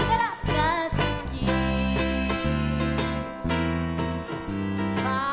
「がすき」さあ